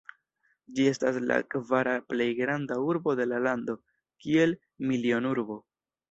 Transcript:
Ĝi estas la kvara plej granda urbo de la lando, kiel milionurbo.